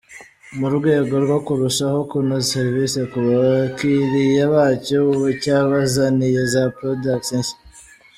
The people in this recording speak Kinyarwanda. Mu rwego rwo kurushaho kunoza serivisi ku bakiriya bacyo, ubu cyabazaniye za Products nshya.